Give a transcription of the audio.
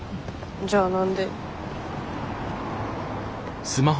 じゃあ何で？